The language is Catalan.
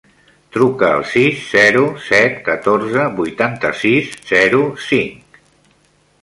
Truca al sis, zero, set, catorze, vuitanta-sis, zero, cinc.